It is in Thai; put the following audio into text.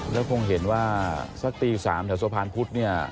แล้วคงเห็นว่าสักตี๓แถวสะพานพุธเนี่ย